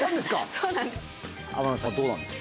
そうなんです。